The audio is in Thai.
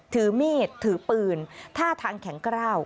ถือมีดถือปืนท่าทางแข็งกล้าว